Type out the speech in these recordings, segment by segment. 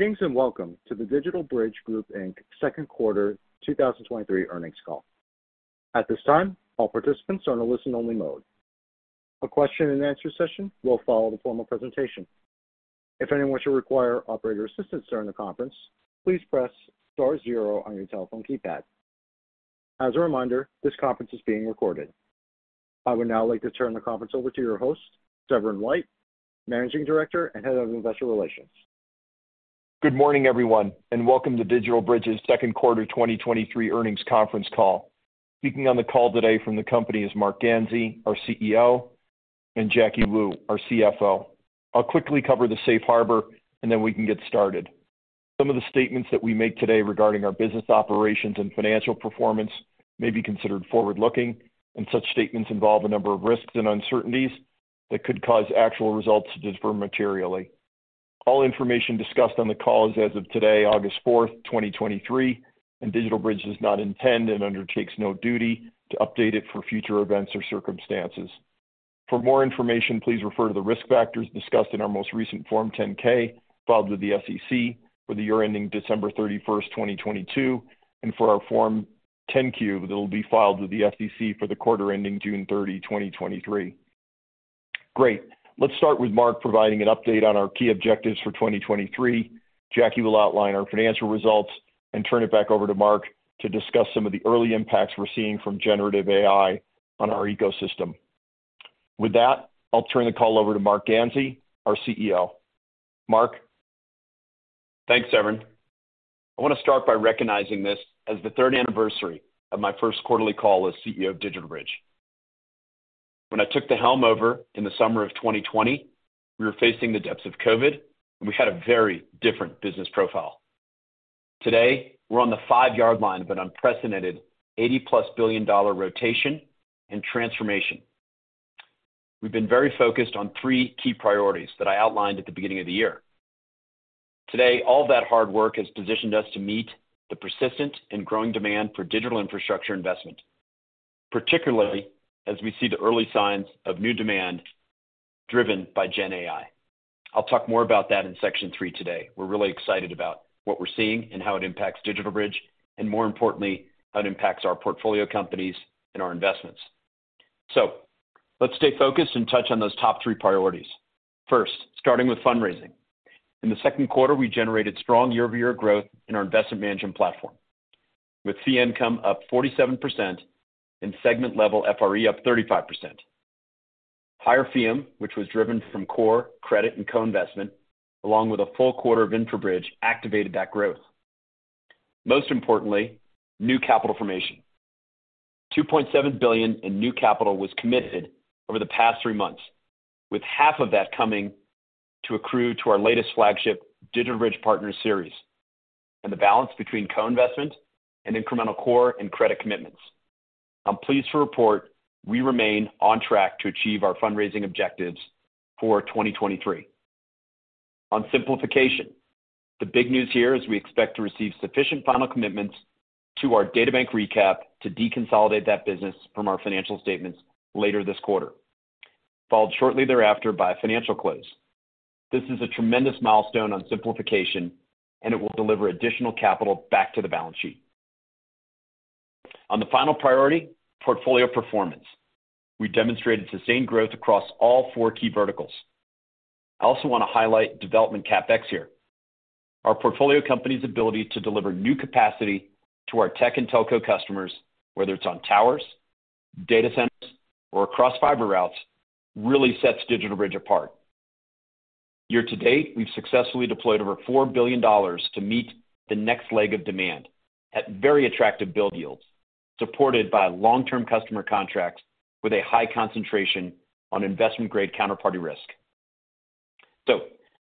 Greetings, welcome to the DigitalBridge Group Second Quarter 2023 earnings call. At this time, all participants are in a listen-only mode. A question and answer session will follow the formal presentation. If anyone should require operator assistance during the conference, please press star 0 on your telephone keypad. As a reminder, this conference is being recorded. I would now like to turn the conference over to your host, Severin White, Managing Director and Head of Investor Relations. Good morning, everyone, and welcome to DigitalBridge's second quarter 2023 earnings conference call. Speaking on the call today from the company is Marc Ganzi, our CEO, and Jacky Wu, our CFO. I'll quickly cover the safe harbor, and then we can get started. Some of the statements that we make today regarding our business operations and financial performance may be considered forward-looking, and such statements involve a number of risks and uncertainties that could cause actual results to differ materially. All information discussed on the call is as of today, August fourth, 2023, and DigitalBridge does not intend and undertakes no duty to update it for future events or circumstances. For more information, please refer to the risk factors discussed in our most recent Form 10-K filed with the SEC for the year ending December 31st, 2022, and for our Form 10-Q that will be filed with the SEC for the quarter ending June 30, 2023. Great. Let's start with Marc providing an update on our key objectives for 2023. Jacky will outline our financial results and turn it back over to Marc to discuss some of the early impacts we're seeing from generative AI on our ecosystem. With that, I'll turn the call over to Marc Ganzi, our CEO. Marc? Thanks, Severin. I want to start by recognizing this as the third anniversary of my first quarterly call as CEO of DigitalBridge. When I took the helm over in the summer of 2020, we were facing the depths of COVID, we had a very different business profile. Today, we're on the five-yard line of an unprecedented $80-plus billion rotation and transformation. We've been very focused on three key priorities that I outlined at the beginning of the year. Today, all that hard work has positioned us to meet the persistent and growing demand for digital infrastructure investment, particularly as we see the early signs of new demand driven by Gen AI. I'll talk more about that in section three today. We're really excited about what we're seeing and how it impacts DigitalBridge, more importantly, how it impacts our portfolio companies and our investments. Let's stay focused and touch on those top three priorities. First, starting with fundraising. In the second quarter, we generated strong year-over-year growth in our investment management platform, with fee income up 47% and segment-level FRE up 35%. Higher FEEM, which was driven from core, credit, and co-investment, along with a full quarter of InfraBridge, activated that growth. Most importantly, new capital formation. $2.7 billion in new capital was committed over the past three months, with half of that coming to accrue to our latest flagship, DigitalBridge Partners Series, and the balance between co-investment and incremental core and credit commitments. I'm pleased to report we remain on track to achieve our fundraising objectives for 2023. On simplification, the big news here is we expect to receive sufficient final commitments to our DataBank recap to deconsolidate that business from our financial statements later this quarter, followed shortly thereafter by a financial close. This is a tremendous milestone on simplification. It will deliver additional capital back to the balance sheet. On the final priority, portfolio performance. We demonstrated sustained growth across all four key verticals. I also want to highlight development CapEx here. Our portfolio company's ability to deliver new capacity to our tech and telco customers, whether it's on towers, data centers, or across fiber routes, really sets DigitalBridge apart. Year to date, we've successfully deployed over $4 billion to meet the next leg of demand at very attractive build yields, supported by long-term customer contracts with a high concentration on investment-grade counterparty risk.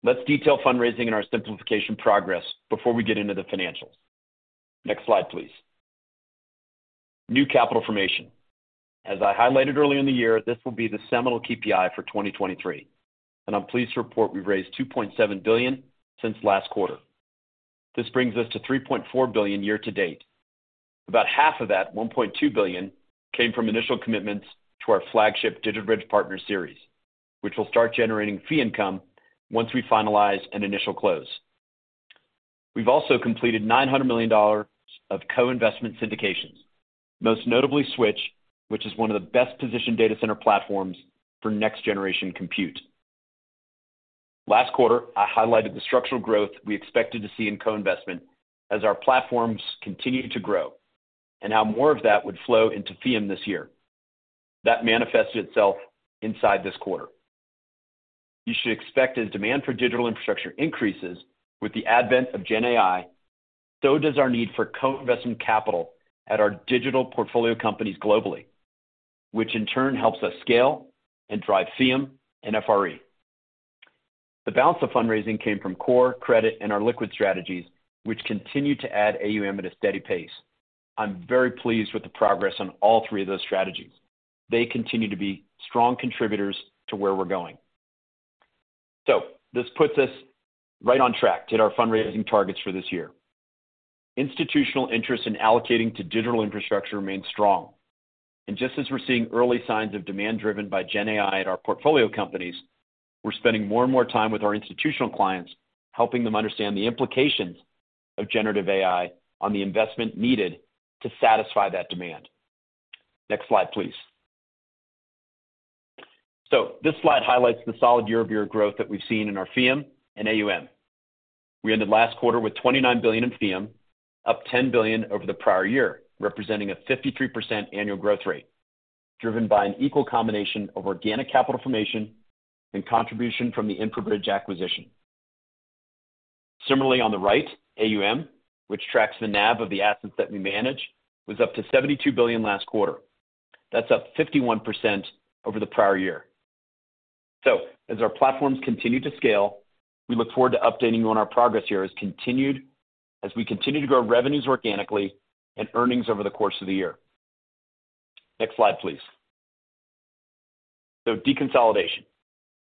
Let's detail fundraising and our simplification progress before we get into the financials. Next slide, please. New capital formation. As I highlighted earlier in the year, this will be the seminal KPI for 2023, and I'm pleased to report we've raised $2.7 billion since last quarter. This brings us to $3.4 billion year to date. About half of that, $1.2 billion, came from initial commitments to our flagship DigitalBridge Partners Series, which will start generating fee income once we finalize an initial close. We've also completed $900 million of co-investment syndications, most notably Switch, which is one of the best-positioned data center platforms for next-generation compute. Last quarter, I highlighted the structural growth we expected to see in co-investment as our platforms continued to grow and how more of that would flow into FEEM this year. That manifested itself inside this quarter. You should expect as demand for digital infrastructure increases with the advent of Gen AI, so does our need for co-investment capital at our digital portfolio companies globally, which in turn helps us scale and drive FEEM and FRE. The balance of fundraising came from core, credit, and our liquid strategies, which continued to add AUM at a steady pace. I'm very pleased with the progress on all three of those strategies. They continue to be strong contributors to where we're going. This puts us right on track to hit our fundraising targets for this year. Institutional interest in allocating to digital infrastructure remains strong. Just as we're seeing early signs of demand driven by GenAI at our portfolio companies, we're spending more and more time with our institutional clients, helping them understand the implications of generative AI on the investment needed to satisfy that demand. Next slide, please. This slide highlights the solid year-over-year growth that we've seen in our FEAUM and AUM. We ended last quarter with $29 billion in FIM, up $10 billion over the prior year, representing a 53% annual growth rate, driven by an equal combination of organic capital formation and contribution from the InfraBridge acquisition. Similarly, on the right, AUM, which tracks the NAV of the assets that we manage, was up to $72 billion last quarter. That's up 51% over the prior year. As our platforms continue to scale, we look forward to updating you on our progress here as we continue to grow revenues organically and earnings over the course of the year. Next slide, please. Deconsolidation.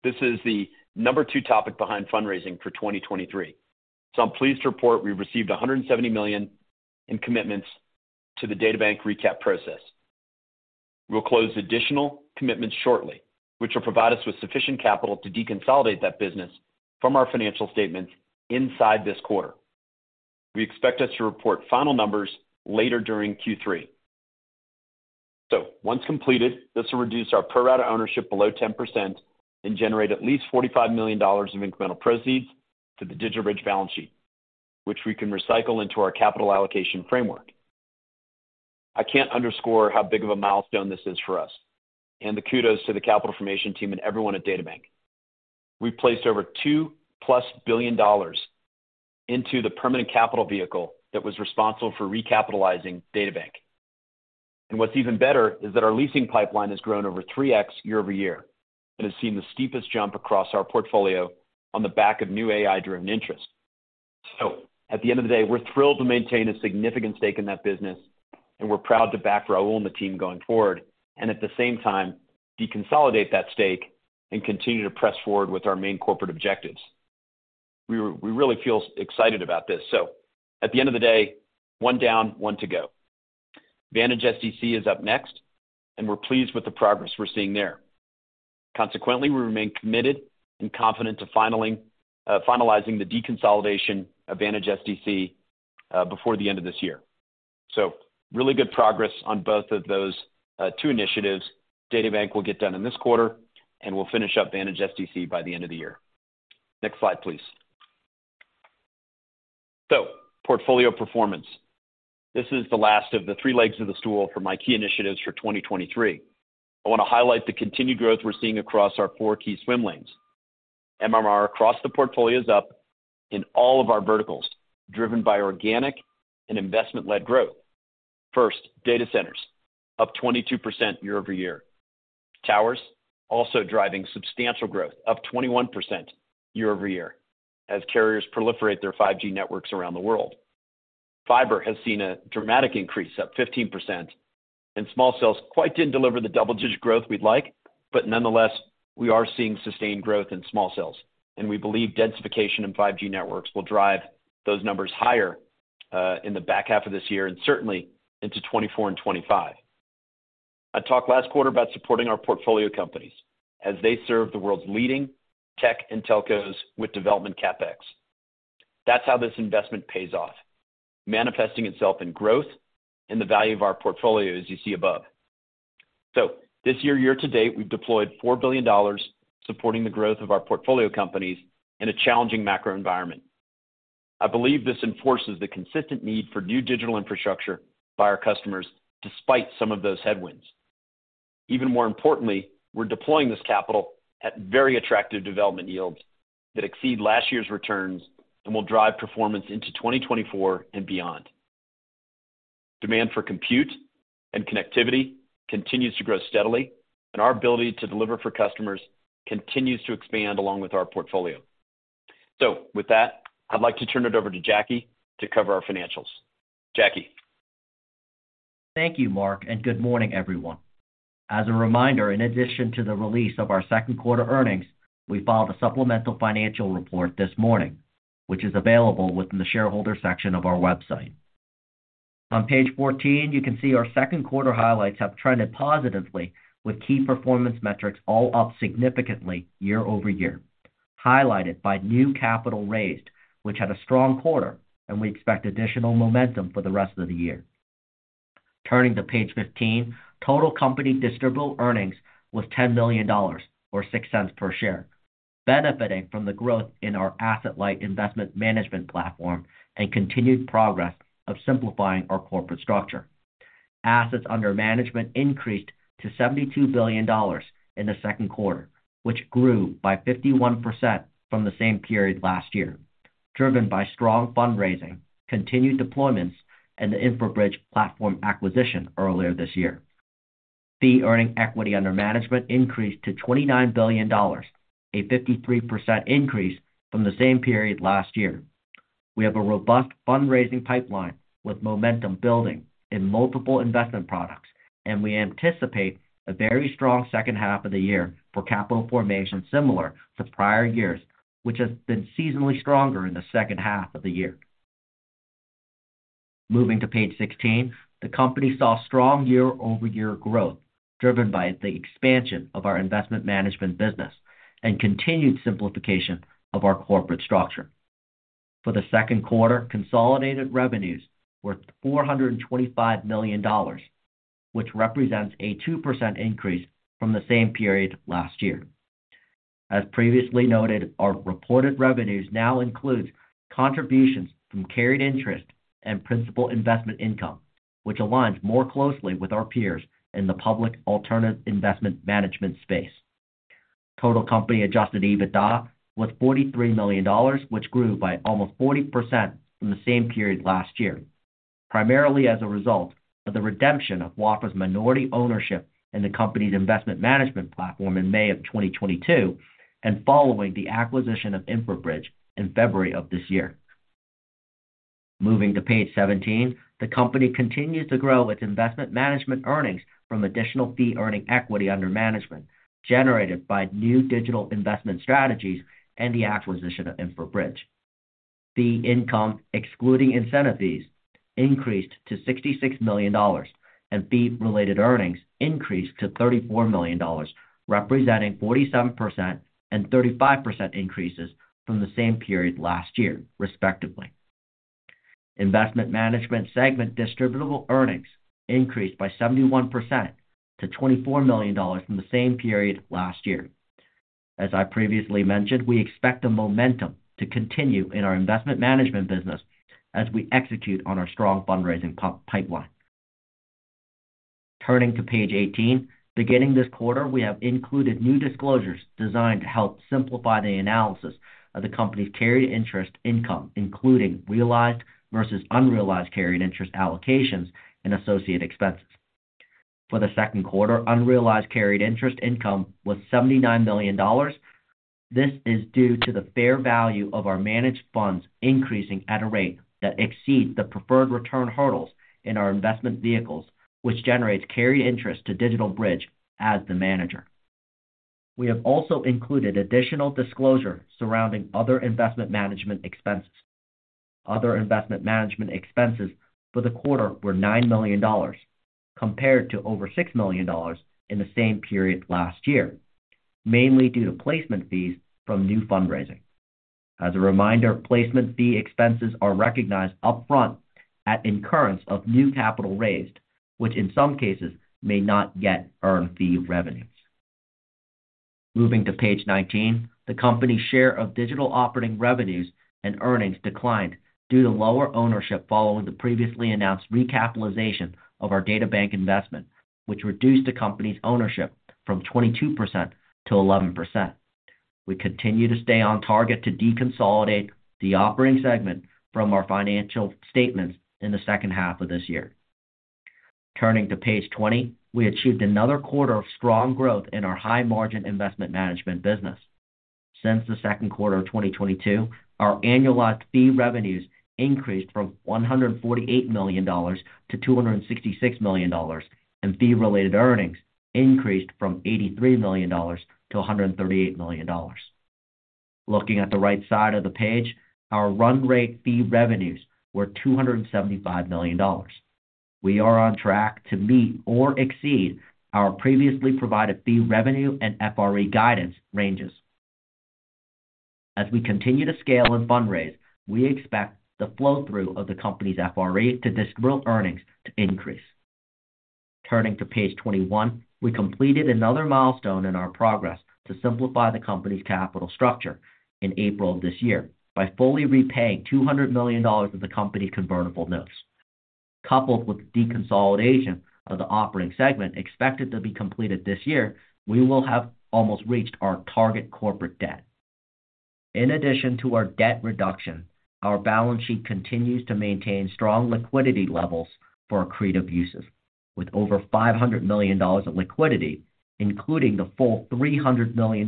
This is the number two topic behind fundraising for 2023. I'm pleased to report we've received $170 million in commitments to the DataBank recap process. We'll close additional commitments shortly, which will provide us with sufficient capital to deconsolidate that business from our financial statements inside this quarter. We expect us to report final numbers later during Q3. Once completed, this will reduce our pro rata ownership below 10% and generate at least $45 million of incremental proceeds to the DigitalBridge balance sheet, which we can recycle into our capital allocation framework. I can't underscore how big of a milestone this is for us. The kudos to the capital formation team and everyone at DataBank. We've placed over $2+ billion into the permanent capital vehicle that was responsible for recapitalizing DataBank. What's even better is that our leasing pipeline has grown over 3x year-over-year and has seen the steepest jump across our portfolio on the back of new AI-driven interest. At the end of the day, we're thrilled to maintain a significant stake in that business, and we're proud to back Raul and the team going forward, and at the same time, deconsolidate that stake and continue to press forward with our main corporate objectives. We, we really feel excited about this. At the end of the day, one down, one to go. Vantage SDC is up next, and we're pleased with the progress we're seeing there. Consequently, we remain committed and confident to finalizing the deconsolidation of Vantage SDC before the end of this year. Really good progress on both of those two initiatives. DataBank will get done in this quarter, and we'll finish up Vantage SDC by the end of the year. Next slide, please. Portfolio performance. This is the last of the three legs of the stool for my key initiatives for 2023. I want to highlight the continued growth we're seeing across our four key swim lanes. MMR across the portfolio is up in all of our verticals, driven by organic and investment-led growth. First, data centers, up 22% year-over-year. Towers, also driving substantial growth, up 21% year-over-year, as carriers proliferate their 5G networks around the world. Fiber has seen a dramatic increase, up 15%, small cells quite didn't deliver the double-digit growth we'd like, but nonetheless, we are seeing sustained growth in small cells, and we believe densification in 5G networks will drive those numbers higher in the back half of this year and certainly into 2024 and 2025. I talked last quarter about supporting our portfolio companies as they serve the world's leading tech and telcos with development CapEx. That's how this investment pays off, manifesting itself in growth and the value of our portfolio, as you see above. This year, year to date, we've deployed $4 billion, supporting the growth of our portfolio companies in a challenging macro environment. I believe this enforces the consistent need for new digital infrastructure by our customers, despite some of those headwinds. Even more importantly, we're deploying this capital at very attractive development yields that exceed last year's returns and will drive performance into 2024 and beyond. Demand for compute and connectivity continues to grow steadily, and our ability to deliver for customers continues to expand along with our portfolio. With that, I'd like to turn it over to Jacky to cover our financials. Jacky? Thank you, Marc. Good morning, everyone. As a reminder, in addition to the release of our second quarter earnings, we filed a supplemental financial report this morning, which is available within the shareholder section of our website. On page 14, you can see our second quarter highlights have trended positively with key performance metrics all up significantly year-over-year, highlighted by new capital raised, which had a strong quarter, and we expect additional momentum for the rest of the year. Turning to page 15, total company distributable earnings was $10 million, or $0.06 per share, benefiting from the growth in our asset-light investment management platform and continued progress of simplifying our corporate structure. Assets under management increased to $72 billion in the second quarter, which grew by 51% from the same period last year, driven by strong fundraising, continued deployments, and the InfraBridge platform acquisition earlier this year. Fee-earning equity under management increased to $29 billion, a 53% increase from the same period last year. We have a robust fundraising pipeline with momentum building in multiple investment products, and we anticipate a very strong second half of the year for capital formation similar to prior years, which has been seasonally stronger in the second half of the year. Moving to page 16, the company saw strong year-over-year growth, driven by the expansion of our investment management business and continued simplification of our corporate structure. For the second quarter, consolidated revenues were $425 million, which represents a 2% increase from the same period last year. As previously noted, our reported revenues now includes contributions from carried interest and principal investment income, which aligns more closely with our peers in the public alternative investment management space. Total company Adjusted EBITDA was $43 million, which grew by almost 40% from the same period last year, primarily as a result of the redemption of Wafra's minority ownership in the company's investment management platform in May 2022, and following the acquisition of InfraBridge in February of this year. Moving to page 17, the company continues to grow its investment management earnings from additional fee-earning equity under management, generated by new digital investment strategies and the acquisition of InfraBridge. Fee income, excluding incentive fees, increased to $66 million, and fee-related earnings increased to $34 million, representing 47% and 35% increases from the same period last year, respectively. Investment Management segment distributable earnings increased by 71% to $24 million from the same period last year. As I previously mentioned, we expect the momentum to continue in our investment management business as we execute on our strong fundraising pipeline. Turning to page 18, beginning this quarter, we have included new disclosures designed to help simplify the analysis of the company's carried interest income, including realized versus unrealized carried interest allocations and associate expenses. For the second quarter, unrealized carried interest income was $79 million. This is due to the fair value of our managed funds increasing at a rate that exceeds the preferred return hurdles in our investment vehicles, which generates carried interest to DigitalBridge as the manager. We have also included additional disclosure surrounding other investment management expenses. Other investment management expenses for the quarter were $9 million, compared to over $6 million in the same period last year, mainly due to placement fees from new fundraising. As a reminder, placement fee expenses are recognized upfront at incurrence of new capital raised, which in some cases may not yet earn fee revenues. Moving to page 19. The company's share of digital operating revenues and earnings declined due to lower ownership following the previously announced recapitalization of our DataBank investment, which reduced the company's ownership from 22% to 11%. We continue to stay on target to deconsolidate the operating segment from our financial statements in the second half of this year. Turning to page 20, we achieved another quarter of strong growth in our high-margin investment management business. Since the second quarter of 2022, our annualized fee revenues increased from $148 million to $266 million, and fee-related earnings increased from $83 million to $138 million. Looking at the right side of the page, our run rate fee revenues were $275 million. We are on track to meet or exceed our previously provided fee revenue and FRE guidance ranges. As we continue to scale and fundraise, we expect the flow-through of the company's FRE to distributable earnings to increase. Turning to page 21. We completed another milestone in our progress to simplify the company's capital structure in April of this year by fully repaying $200 million of the company convertible notes. Coupled with the deconsolidation of the operating segment expected to be completed this year, we will have almost reached our target corporate debt. In addition to our debt reduction, our balance sheet continues to maintain strong liquidity levels for accretive uses, with over $500 million of liquidity, including the full $300 million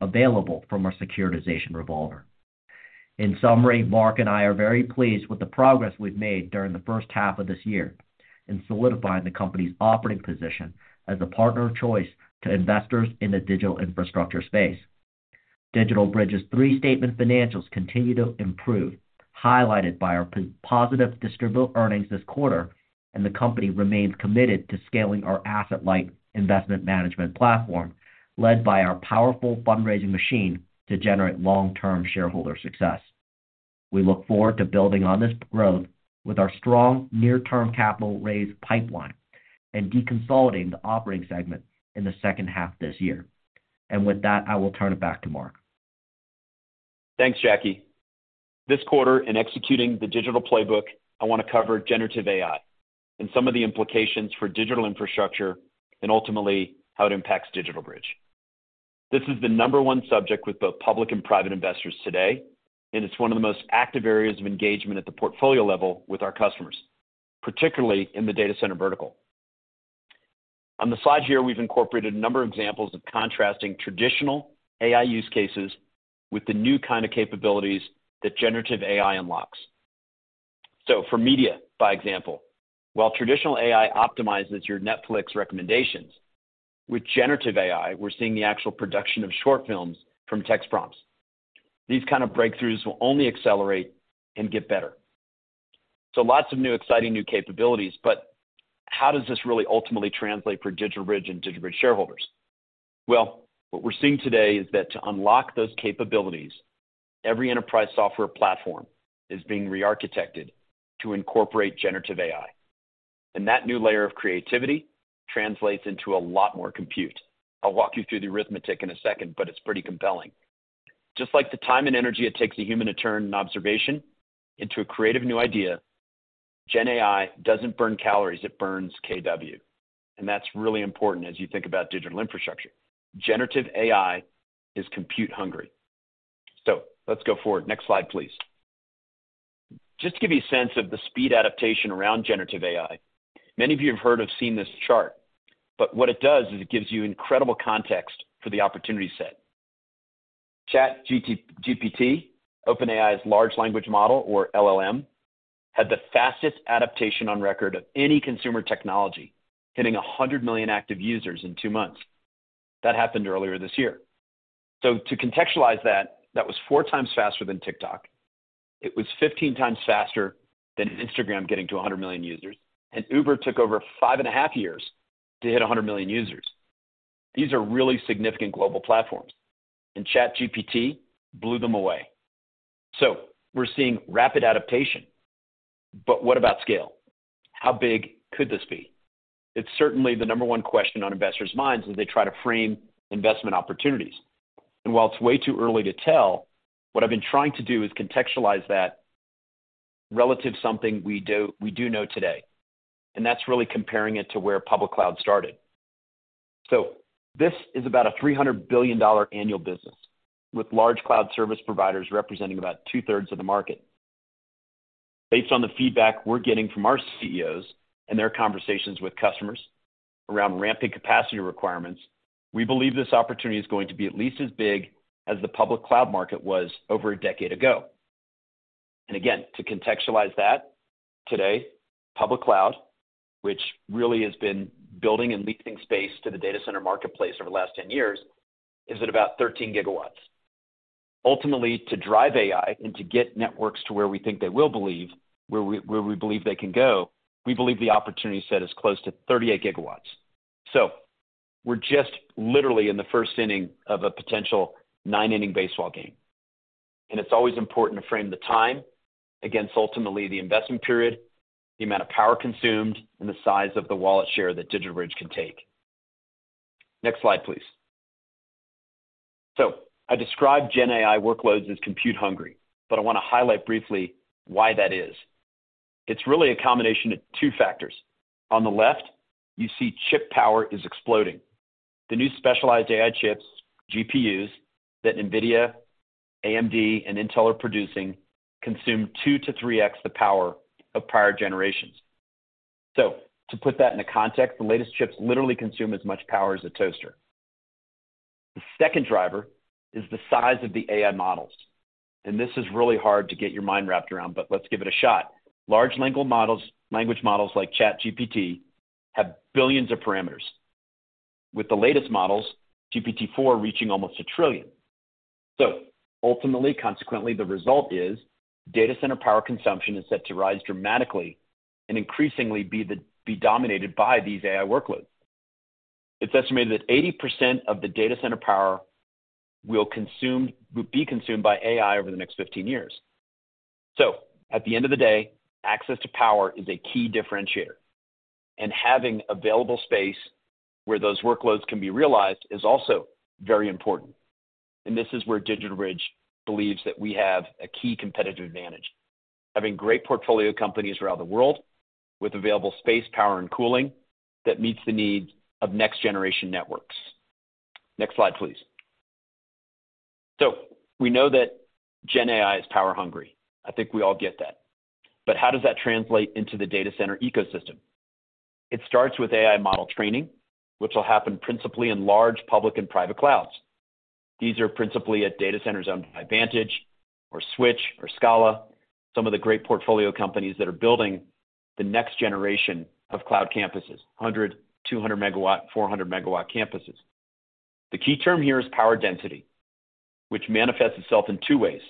available from our securitization revolver. In summary, Marc and I are very pleased with the progress we've made during the first half of this year in solidifying the company's operating position as a partner of choice to investors in the digital infrastructure space. DigitalBridge's three-statement financials continue to improve, highlighted by our positive distributable earnings this quarter. The company remains committed to scaling our asset-light investment management platform, led by our powerful fundraising machine to generate long-term shareholder success. We look forward to building on this growth with our strong near-term capital raise pipeline and deconsolidating the operating segment in the second half this year. With that, I will turn it back to Marc. Thanks, Jacky. This quarter, in executing the Digital Playbook, I want to cover generative AI and some of the implications for digital infrastructure and ultimately how it impacts DigitalBridge. This is the number one subject with both public and private investors today, it's one of the most active areas of engagement at the portfolio level with our customers, particularly in the data center vertical. On the slide here, we've incorporated a number of examples of contrasting traditional AI use cases with the new kind of capabilities that generative AI unlocks. For media, by example, while traditional AI optimizes your Netflix recommendations, with generative AI, we're seeing the actual production of short films from text prompts. These kind of breakthroughs will only accelerate and get better. Lots of new, exciting new capabilities, but how does this really ultimately translate for DigitalBridge and DigitalBridge shareholders? Well, what we're seeing today is that to unlock those capabilities, every enterprise software platform is being rearchitected to incorporate generative AI, and that new layer of creativity translates into a lot more compute. I'll walk you through the arithmetic in a second, but it's pretty compelling. Just like the time and energy it takes a human to turn an observation into a creative new idea, Gen AI doesn't burn calories, it burns kW. That's really important as you think about digital infrastructure. Generative AI is compute hungry. Let's go forward. Next slide, please. Just to give you a sense of the speed adaptation around generative AI, many of you have heard or seen this chart, but what it does is it gives you incredible context for the opportunity set. ChatGPT, OpenAI's Large Language Model, or LLM, had the fastest adaptation on record of any consumer technology, hitting 100 million active users in two months. That happened earlier this year. To contextualize that, that was 4x faster than TikTok. It was 15x faster than Instagram getting to 100 million users. Uber took over 5.5 years to hit 100 million users. These are really significant global platforms, and ChatGPT blew them away. We're seeing rapid adaptation, but what about scale? How big could this be? It's certainly the number 1 question on investors' minds as they try to frame investment opportunities. While it's way too early to tell, what I've been trying to do is contextualize that relative to something we do, we do know today, and that's really comparing it to where public cloud started. This is about a $300 billion annual business, with large cloud service providers representing about 2/3 of the market. Based on the feedback we're getting from our CEOs and their conversations with customers around ramping capacity requirements, we believe this opportunity is going to be at least as big as the public cloud market was over a decade ago. Again, to contextualize that, today, public cloud, which really has been building and leasing space to the data center marketplace over the last 10 years, is at about 13 gigawatts. Ultimately, to drive AI and to get networks to where we think they will believe, where we believe they can go, we believe the opportunity set is close to 38 gigawatts. We're just literally in the first inning of a potential 9-inning baseball game, and it's always important to frame the time against ultimately the investment period, the amount of power consumed, and the size of the wallet share that DigitalBridge can take. Next slide, please. I described Gen AI workloads as compute hungry, but I want to highlight briefly why that is. It's really a combination of two factors. On the left, you see chip power is exploding. The new specialized AI chips, GPUs, that NVIDIA, AMD, and Intel are producing consume 2-3x the power of prior generations. To put that into context, the latest chips literally consume as much power as a toaster. The second driver is the size of the AI models, and this is really hard to get your mind wrapped around, but let's give it a shot. Large language models, language models like ChatGPT, have billions of parameters, with the latest models, GPT-4 reaching almost a trillion. Ultimately, consequently, the result is data center power consumption is set to rise dramatically and increasingly be dominated by these AI workloads. It's estimated that 80% of the data center power will be consumed by AI over the next 15 years. At the end of the day, access to power is a key differentiator, and having available space where those workloads can be realized is also very important. This is where DigitalBridge believes that we have a key competitive advantage, having great portfolio companies around the world with available space, power, and cooling that meets the needs of next generation networks. Next slide, please. We know that Gen AI is power hungry. I think we all get that. How does that translate into the data center ecosystem? It starts with AI model training, which will happen principally in large public and private clouds. These are principally at data centers owned by Vantage or Switch or Scala, some of the great portfolio companies that are building the next generation of cloud campuses, 100 MW, 200 MW, 400 MW campuses. The key term here is power density, which manifests itself in two ways.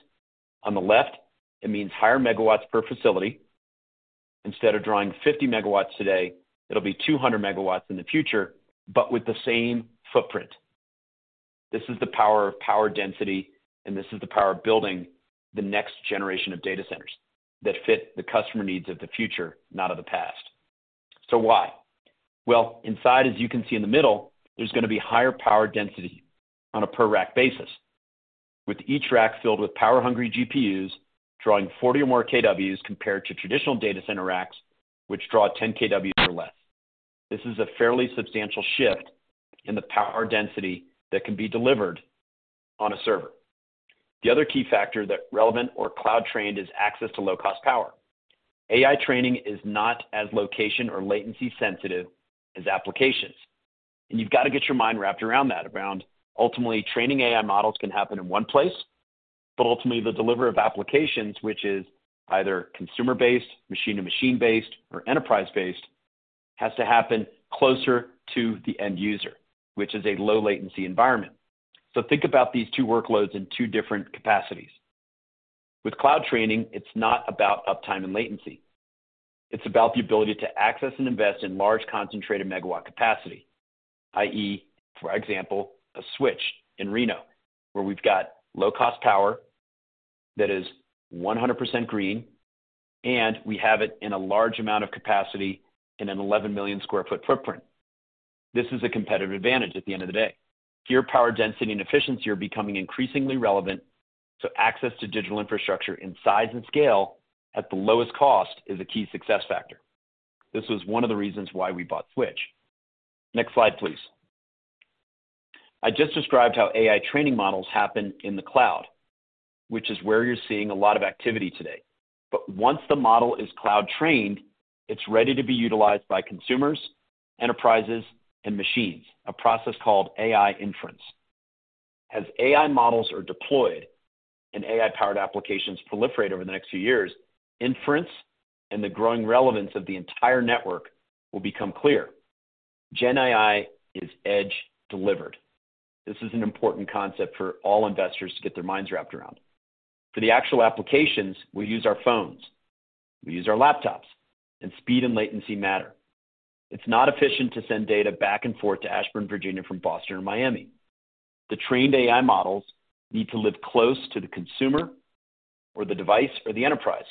On the left, it means higher megawatts per facility. Instead of drawing 50 MW today, it'll be 200 MW in the future, but with the same footprint. This is the power of power density, and this is the power of building the next generation of data centers that fit the customer needs of the future, not of the past. Why? Well, inside, as you can see in the middle, there's going to be higher power density on a per rack basis, with each rack filled with power-hungry GPUs drawing 40 or more kWs, compared to traditional data center racks, which draw 10 kW or less. This is a fairly substantial shift in the power density that relevant or cloud-trained is access to low-cost power. AI training is not as location or latency sensitive as applications, and you've got to get your mind wrapped around that. Ultimately, training AI models can happen in one place, but ultimately, the delivery of applications, which is either consumer-based, machine-to-machine-based, or enterprise-based, has to happen closer to the end user, which is a low latency environment. Think about these two workloads in two different capacities. With cloud training, it's not about uptime and latency. It's about the ability to access and invest in large, concentrated megawatt capacity, i.e., for example, a Switch in Reno, where we've got low-cost power that is 100% green, and we have it in a large amount of capacity in an 11 million sq ft footprint. This is a competitive advantage at the end of the day. Here, power, density, and efficiency are becoming increasingly relevant, so access to digital infrastructure in size and scale at the lowest cost is a key success factor. This was one of the reasons why we bought Switch. Next slide, please. I just described how AI training models happen in the cloud, which is where you're seeing a lot of activity today. Once the model is cloud trained, it's ready to be utilized by consumers, enterprises, and machines, a process called AI inference. As AI models are deployed and AI-powered applications proliferate over the next few years, inference and the growing relevance of the entire network will become clear. Gen AI is edge delivered. This is an important concept for all investors to get their minds wrapped around. For the actual applications, we use our phones, we use our laptops. Speed and latency matter. It's not efficient to send data back and forth to Ashburn, Virginia, from Boston or Miami. The trained AI models need to live close to the consumer, or the device, or the enterprise.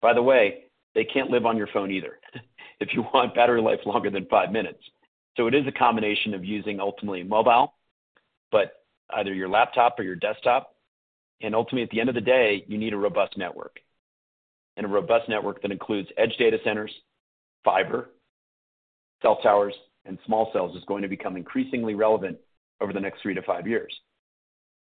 By the way, they can't live on your phone either, if you want battery life longer than five minutes. It is a combination of using, ultimately, mobile, but either your laptop or your desktop, and ultimately, at the end of the day, you need a robust network. A robust network that includes edge data centers, fiber, cell towers, and small cells is going to become increasingly relevant over the next three to five years.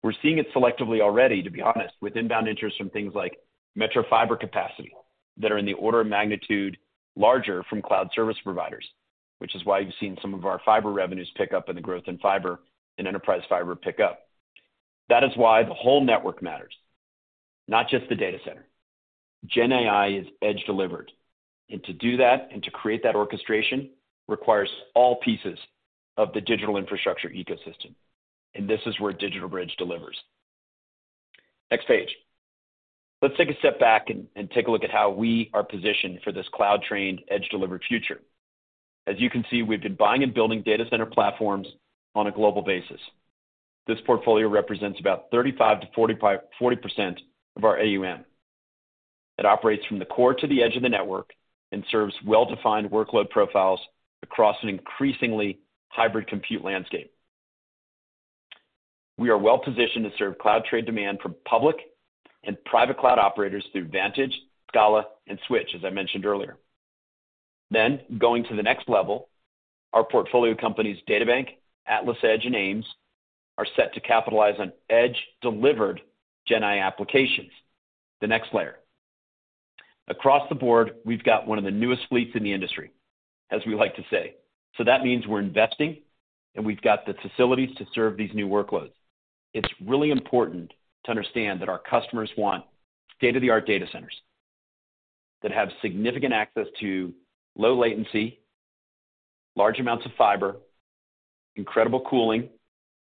We're seeing it selectively already, to be honest, with inbound interest from things like metro fiber capacity, that are in the order of magnitude larger from cloud service providers, which is why you've seen some of our fiber revenues pick up and the growth in fiber and enterprise fiber pick up. That is why the whole network matters, not just the data center. Gen AI is edge delivered, and to do that and to create that orchestration, requires all pieces of the digital infrastructure ecosystem, and this is where DigitalBridge delivers. Next page. Let's take a step back and take a look at how we are positioned for this cloud-trained, edge-delivered future. As you can see, we've been buying and building data center platforms on a global basis. This portfolio represents about 35%-40% of our AUM. It operates from the core to the edge of the network and serves well-defined workload profiles across an increasingly hybrid compute landscape. We are well positioned to serve cloud trade demand from public and private cloud operators through Vantage, Scala, and Switch, as I mentioned earlier. Going to the next level, our portfolio companies, DataBank, AtlasEdge, and AIMS, are set to capitalize on edge-delivered Gen AI applications. The next layer. Across the board, we've got one of the newest fleets in the industry, as we like to say. That means we're investing, and we've got the facilities to serve these new workloads. It's really important to understand that our customers want state-of-the-art data centers that have significant access to low latency, large amounts of fiber, incredible cooling,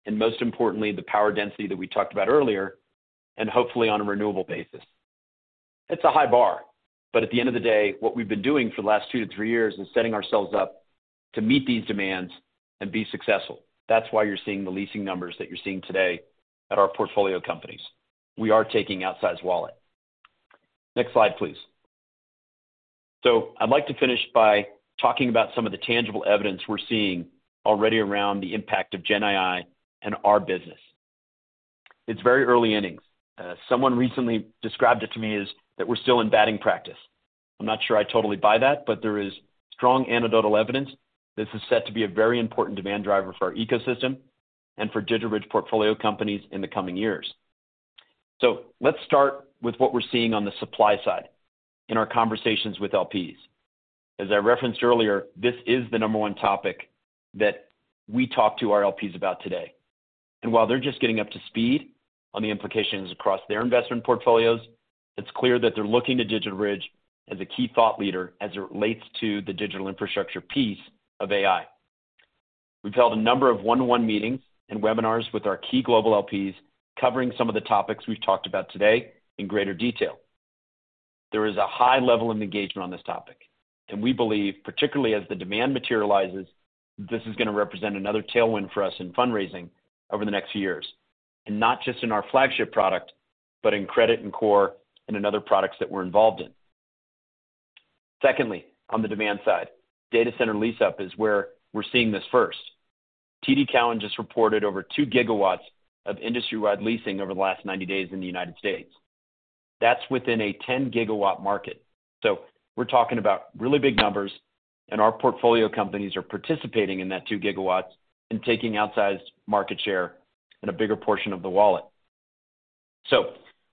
and most importantly, the power density that we talked about earlier, and hopefully on a renewable basis. It's a high bar, but at the end of the day, what we've been doing for the last two to three years is setting ourselves up to meet these demands and be successful. That's why you're seeing the leasing numbers that you're seeing today at our portfolio companies. We are taking outsized wallet. Next slide, please. I'd like to finish by talking about some of the tangible evidence we're seeing already around the impact of Gen AI and our business. It's very early innings. Someone recently described it to me as that we're still in batting practice. I'm not sure I totally buy that, but there is strong anecdotal evidence. This is set to be a very important demand driver for our ecosystem and for DigitalBridge portfolio companies in the coming years. Let's start with what we're seeing on the supply side in our conversations with LPs. As I referenced earlier, this is the number one topic that we talk to our LPs about today. While they're just getting up to speed on the implications across their investment portfolios, it's clear that they're looking to DigitalBridge as a key thought leader as it relates to the digital infrastructure piece of AI. We've held a number of one-on-one meetings and webinars with our key global LPs, covering some of the topics we've talked about today in greater detail. There is a high level of engagement on this topic, and we believe, particularly as the demand materializes, this is gonna represent another tailwind for us in fundraising over the next few years, and not just in our flagship product, but in credit and core and in other products that we're involved in. Secondly, on the demand side, data center lease-up is where we're seeing this first. TD Cowen just reported over two gigawatts of industry-wide leasing over the last 90 days in the United States. That's within a 10-gigawatt market. We're talking about really big numbers, and our portfolio companies are participating in that two gigawatts and taking outsized market share and a bigger portion of the wallet.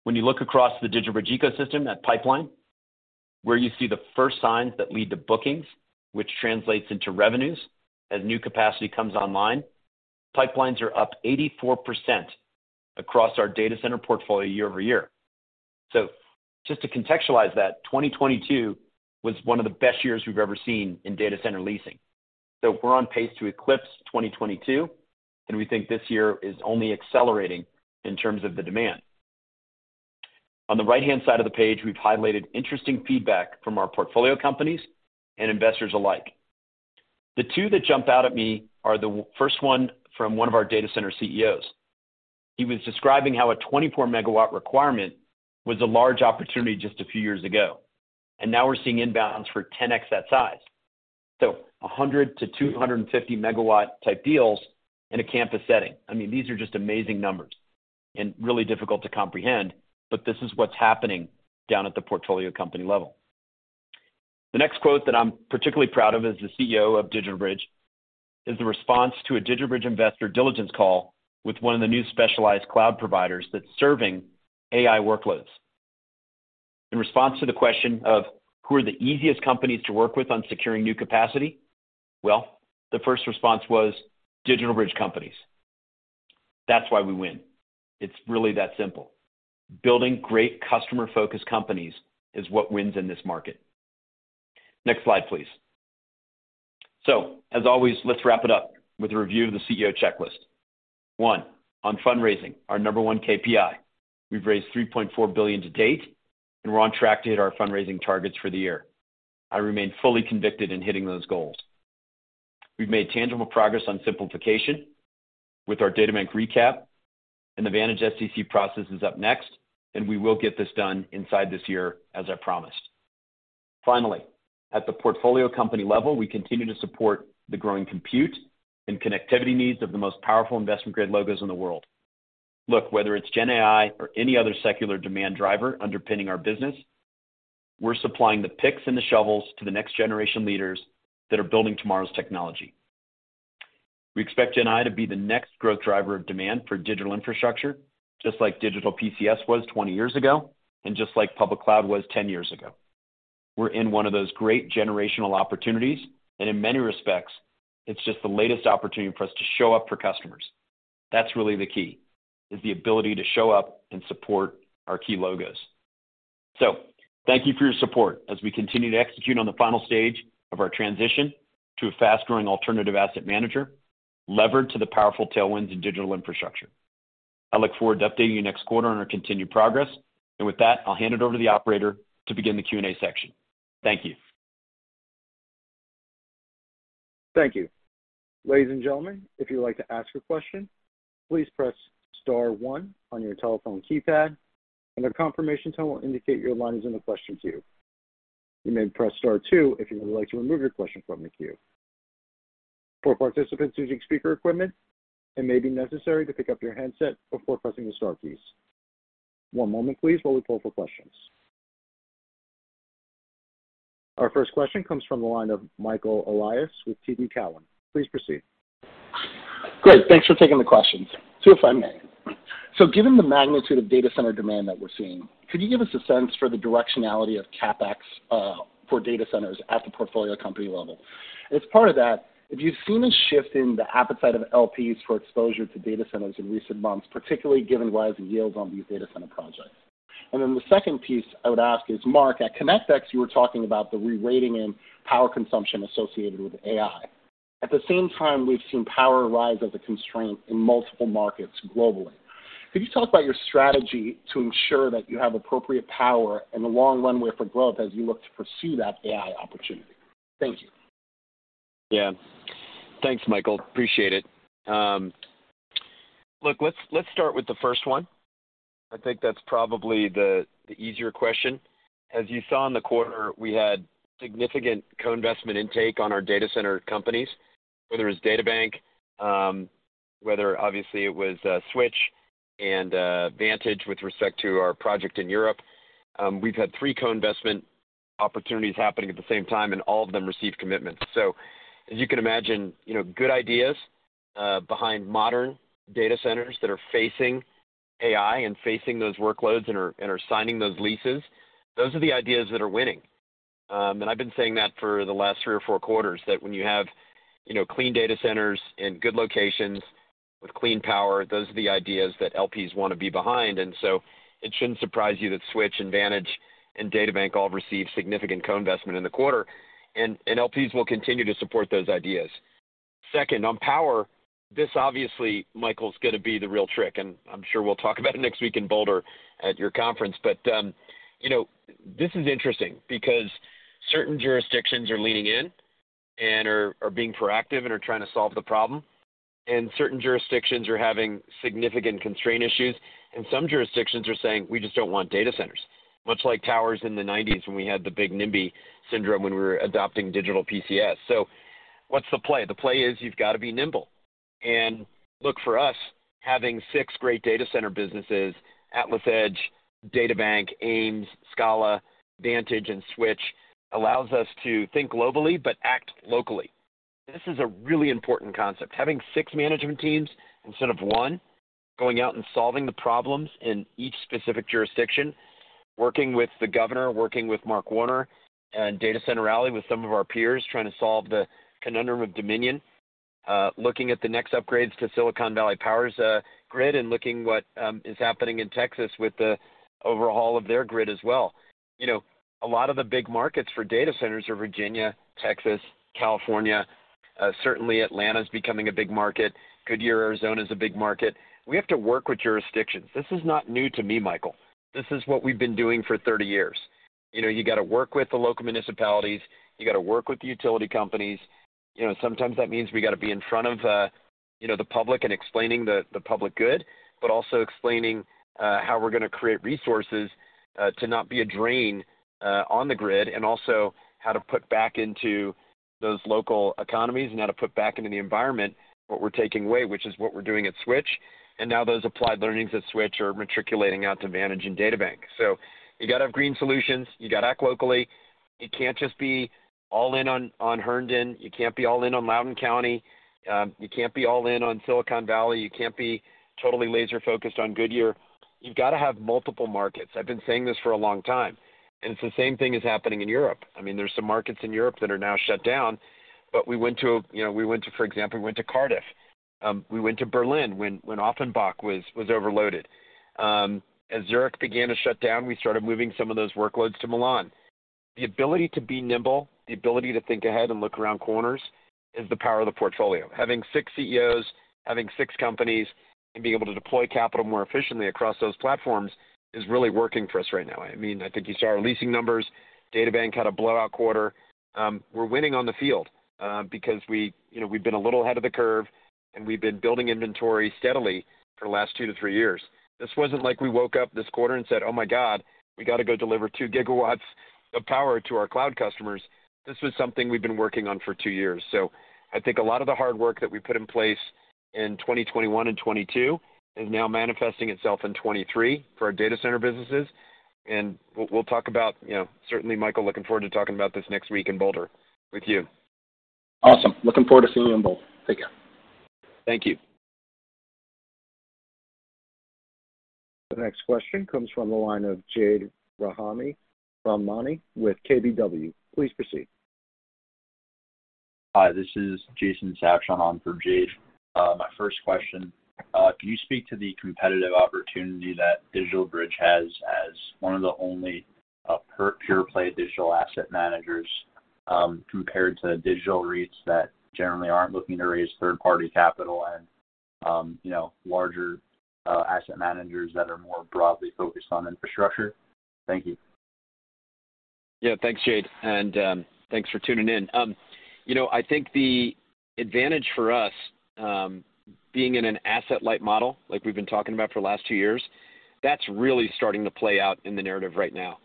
When you look across the DigitalBridge ecosystem, that pipeline, where you see the first signs that lead to bookings, which translates into revenues as new capacity comes online, pipelines are up 84% across our data center portfolio year-over-year. Just to contextualize that, 2022 was one of the best years we've ever seen in data center leasing. We're on pace to eclipse 2022, and we think this year is only accelerating in terms of the demand. On the right-hand side of the page, we've highlighted interesting feedback from our portfolio companies and investors alike. The two that jump out at me are the first one from one of our data center CEOs. He was describing how a 24 megawatt requirement was a large opportunity just a few years ago, and now we're seeing inbounds for 10x that size. 100 to 250 megawatt type deals in a campus setting. I mean, these are just amazing numbers and really difficult to comprehend, but this is what's happening down at the portfolio company level. The next quote that I'm particularly proud of is the CEO of DigitalBridge, is the response to a DigitalBridge investor diligence call with one of the new specialized cloud providers that's serving AI workloads. In response to the question of: Who are the easiest companies to work with on securing new capacity? Well, the first response was DigitalBridge companies. That's why we win. It's really that simple. Building great customer-focused companies is what wins in this market. Next slide, please. As always, let's wrap it up with a review of the CEO checklist. 1, on fundraising, our number 1 KPI. We've raised $3.4 billion to date, and we're on track to hit our fundraising targets for the year. I remain fully convicted in hitting those goals. We've made tangible progress on simplification with our DataBank recap, and the Vantage SDC process is up next, and we will get this done inside this year, as I promised. Finally, at the portfolio company level, we continue to support the growing compute and connectivity needs of the most powerful investment-grade logos in the world. Look, whether it's GenAI or any other secular demand driver underpinning our business, we're supplying the picks and the shovels to the next generation leaders that are building tomorrow's technology. We expect GenAI to be the next growth driver of demand for digital infrastructure, just like digital PCS was 20 years ago, and just like public cloud was 10 years ago. We're in one of those great generational opportunities, and in many respects, it's just the latest opportunity for us to show up for customers. That's really the key, is the ability to show up and support our key logos. Thank you for your support as we continue to execute on the final stage of our transition to a fast-growing alternative asset manager, levered to the powerful tailwinds in digital infrastructure. I look forward to updating you next quarter on our continued progress. With that, I'll hand it over to the operator to begin the Q&A section. Thank you. Thank you. Ladies and gentlemen, if you'd like to ask a question, please press star one on your telephone keypad, and a confirmation tone will indicate your line is in the question queue. You may press star two if you would like to remove your question from the queue. For participants using speaker equipment, it may be necessary to pick up your handset before pressing the star keys. One moment, please, while we pull for questions. Our first question comes from the line of Michael Elias with TD Cowen. Please proceed. Great. Thanks for taking the questions. two, if I may. Given the magnitude of data center demand that we're seeing, could you give us a sense for the directionality of CapEx for data centers at the portfolio company level? As part of that, have you seen a shift in the appetite of LPs for exposure to data centers in recent months, particularly given rising yields on these data center projects? The second piece I would ask is, Marc, at ConnectX, you were talking about the rerating in power consumption associated with AI. At the same time, we've seen power rise as a constraint in multiple markets globally. Could you talk about your strategy to ensure that you have appropriate power and a long runway for growth as you look to pursue that AI opportunity? Thank you. Yeah. Thanks, Michael. Appreciate it. Look, let's, let's start with the first one. I think that's probably the easier question. As you saw in the quarter, we had significant co-investment intake on our data center companies, whether it's DataBank, whether obviously it was Switch and Vantage with respect to our project in Europe. We've had three co-investment opportunities happening at the same time, all of them received commitments. As you can imagine, you know, good ideas behind modern data centers that are facing AI and facing those workloads and are, and are signing those leases, those are the ideas that are winning. I've been saying that for the last three or four quarters, that when you have, you know, clean data centers in good locations with clean power, those are the ideas that LPs want to be behind. It shouldn't surprise you that Switch and Vantage and DataBank all received significant co-investment in the quarter, and LPs will continue to support those ideas. Second, on power, this obviously, Michael, is going to be the real trick, and I'm sure we'll talk about it next week in Boulder at your conference. You know, this is interesting because certain jurisdictions are leaning in and are being proactive and are trying to solve the problem, and certain jurisdictions are having significant constraint issues, and some jurisdictions are saying, we just don't want data centers. Much like towers in the 1990s, when we had the big NIMBY syndrome, when we were adopting digital PCS. What's the play? The play is you've got to be nimble and look for us, having six great data center businesses, AtlasEdge, DataBank, AIMS, Scala, Vantage, and Switch, allows us to think globally but act locally. This is a really important concept. Having six management teams instead of 1, going out and solving the problems in each specific jurisdiction, working with the governor, working with Marc Warner and Data Center Alley, with some of our peers, trying to solve the conundrum of Dominion, looking at the next upgrades to Silicon Valley Power's grid, and looking what is happening in Texas with the overhaul of their grid as well. You know, a lot of the big markets for data centers are Virginia, Texas, California. Certainly, Atlanta is becoming a big market. Goodyear, Arizona, is a big market. We have to work with jurisdictions. This is not new to me, Michael. This is what we've been doing for 30 years. You know, you got to work with the local municipalities, you got to work with the utility companies. You know, sometimes that means we got to be in front of, you know, the public and explaining the, the public good, but also explaining how we're gonna create resources, to not be a drain, on the grid, and also how to put back into those local economies and how to put back into the environment what we're taking away, which is what we're doing at Switch. Now those applied learnings at Switch are matriculating out to Vantage and DataBank. You got to have green solutions. You got to act locally. You can't just be all in on, on Herndon, you can't be all in on Loudoun County, you can't be all in on Silicon Valley, you can't be totally laser-focused on Goodyear. You've got to have multiple markets. I've been saying this for a long time. It's the same thing is happening in Europe. I mean, there's some markets in Europe that are now shut down. We went to, you know, we went to, for example, we went to Cardiff. We went to Berlin when, when Offenbach was, was overloaded. As Zurich began to shut down, we started moving some of those workloads to Milan. The ability to be nimble, the ability to think ahead and look around corners, is the power of the portfolio. Having 6 CEOs, having six companies, and being able to deploy capital more efficiently across those platforms is really working for us right now. I mean, I think you saw our leasing numbers. DataBank had a blowout quarter. We're winning on the field, because we, you know, we've been a little ahead of the curve, and we've been building inventory steadily for the last two to three years. This wasn't like we woke up this quarter and said, "Oh, my God, we got to go deliver two gigawatts of power to our cloud customers." This was something we've been working on for two years. I think a lot of the hard work that we put in place in 2021 and 2022 is now manifesting itself in 2023 for our data center businesses. We'll talk about... You know, certainly, Michael, looking forward to talking about this next week in Boulder with you. Awesome. Looking forward to seeing you in Boulder. Take care. Thank you. The next question comes from the line of Jade Rahmani with KBW. Please proceed. Hi, this is Jason Sabshon on for Jade. My first question: can you speak to the competitive opportunity that DigitalBridge has as one of the only pure-play digital asset managers, compared to digital REITs that generally aren't looking to raise third-party capital and, you know, larger asset managers that are more broadly focused on infrastructure? Thank you. Yeah. Thanks, Jade, and thanks for tuning in. You know, I think the advantage for us, being in an asset-light model, like we've been talking about for the last two years, that's really starting to play out in the narrative right now.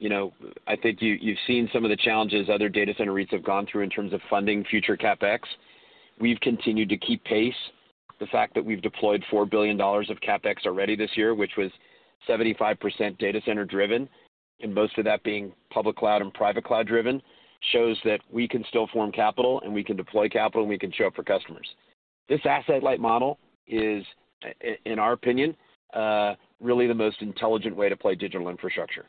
You know, I think you, you've seen some of the challenges other data center REITs have gone through in terms of funding future CapEx. We've continued to keep pace. The fact that we've deployed $4 billion of CapEx already this year, which was 75% data center driven, and most of that being public cloud and private cloud driven, shows that we can still form capital, and we can deploy capital, and we can show up for customers. This asset-light model is, in, in our opinion, really the most intelligent way to play digital infrastructure.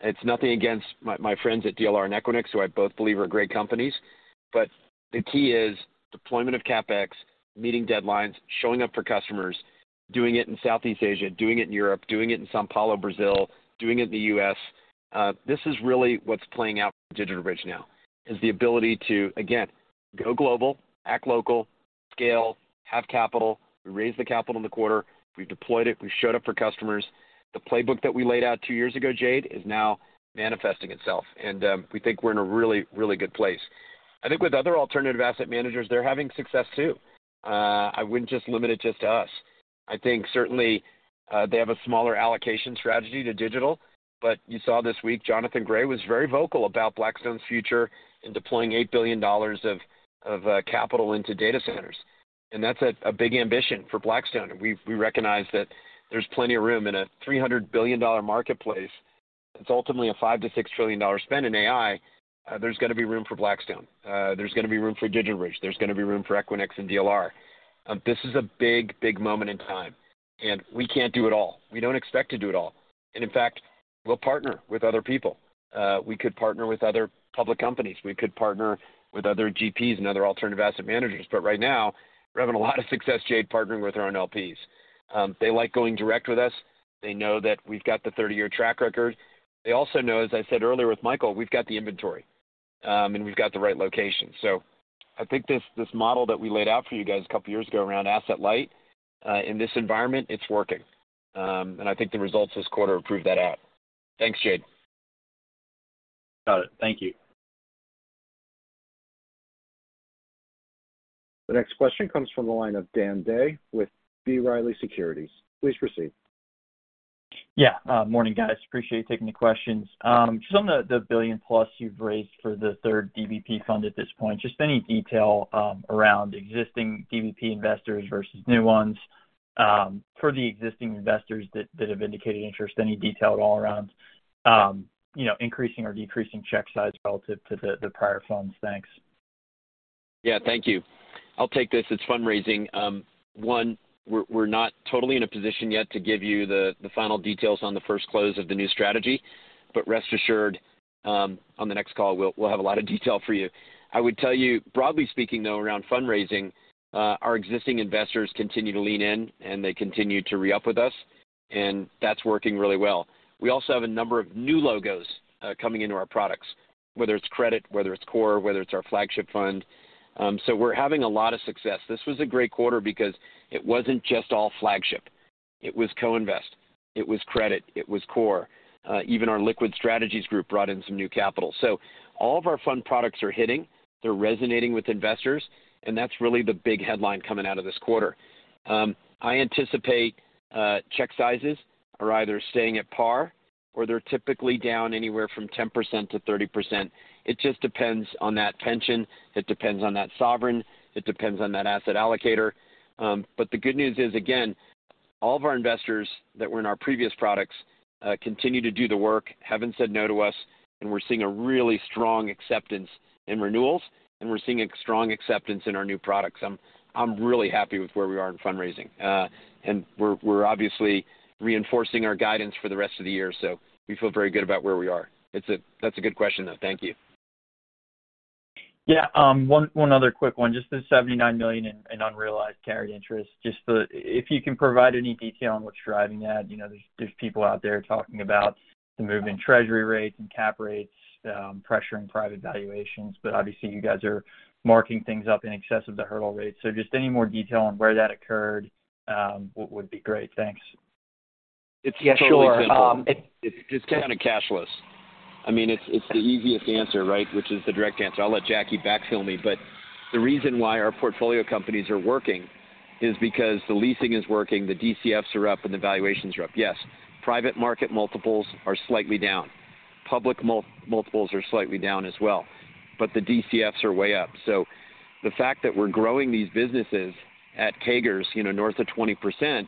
It's nothing against my, my friends at DLR and Equinix, who I both believe are great companies, but the key is deployment of CapEx, meeting deadlines, showing up for customers, doing it in Southeast Asia, doing it in Europe, doing it in São Paulo, Brazil, doing it in the US. This is really what's playing out for DigitalBridge now, is the ability to, again, go global, act local, scale, have capital. We raised the capital in the quarter. We've deployed it. We've showed up for customers. The playbook that we laid out two years ago, Jade, is now manifesting itself, and we think we're in a really, really good place. I think with other alternative asset managers, they're having success, too. I wouldn't just limit it just to us. I think certainly, they have a smaller allocation strategy to digital, but you saw this week, Jonathan Gray was very vocal about Blackstone's future in deploying $8 billion of capital into data centers, and that's a big ambition for Blackstone. We recognize that there's plenty of room in a $300 billion marketplace. It's ultimately a $5 trillion-$6 trillion spend in AI. There's gonna be room for Blackstone, there's gonna be room for DigitalBridge, there's gonna be room for Equinix and DLR. This is a big, big moment in time. We can't do it all. We don't expect to do it all. In fact, we'll partner with other people. We could partner with other public companies. We could partner with other GPs and other alternative asset managers. Right now, we're having a lot of success, Jade, partnering with our own LPs. They like going direct with us. They know that we've got the 30-year track record. They also know, as I said earlier with Michael, we've got the inventory, and we've got the right location. I think this, this model that we laid out for you guys a couple of years ago around asset light, in this environment, it's working. And I think the results this quarter prove that out. Thanks, Jade. Got it. Thank you. The next question comes from the line of Dan Day with B. Riley Securities. Please proceed. Yeah. Morning, guys. Appreciate you taking the questions. Just on the $1 billion-plus you've raised for the third DBP fund at this point, just any detail around existing DBP investors versus new ones? For the existing investors that, that have indicated interest, any detail at all around, you know, increasing or decreasing check size relative to the prior funds? Thanks. Yeah. Thank you. I'll take this, it's fundraising. One, we're not totally in a position yet to give you the final details on the first close of the new strategy, but rest assured, on the next call, we'll have a lot of detail for you. I would tell you, broadly speaking, though, around fundraising, our existing investors continue to lean in, and they continue to re-up with us, and that's working really well. We also have a number of new logos coming into our products, whether it's credit, whether it's core, whether it's our flagship fund. So we're having a lot of success. This was a great quarter because it wasn't just all flagship. It was co-invest, it was credit, it was core, even our liquid strategies group brought in some new capital. All of our fund products are hitting, they're resonating with investors, and that's really the big headline coming out of this quarter. I anticipate, check sizes are either staying at par or they're typically down anywhere from 10%-30%. It just depends on that tension, it depends on that sovereign, it depends on that asset allocator. The good news is, again, all of our investors that were in our previous products, continue to do the work, haven't said no to us, and we're seeing a really strong acceptance in renewals, and we're seeing a strong acceptance in our new products. I'm really happy with where we are in fundraising. We're, we're obviously reinforcing our guidance for the rest of the year, so we feel very good about where we are. That's a good question, though. Thank you. Yeah. One, one other quick one. Just the $79 million in unrealized carried interest, if you can provide any detail on what's driving that? You know, there's, there's people out there talking about the move in treasury rates and cap rates, pressuring private valuations, but obviously, you guys are marking things up in excess of the hurdle rates. Just any more detail on where that occurred, would be great. Thanks. It's totally simple. Yeah, sure. It's kind of cashless. I mean, it's, it's the easiest answer, right? The direct answer. I'll let Jacky backfill me, the reason why our portfolio companies are working is because the leasing is working, the DCFs are up, and the valuations are up. Yes, private market multiples are slightly down. Public multiples are slightly down as well, the DCFs are way up. The fact that we're growing these businesses at CAGRs, you know, north of 20%,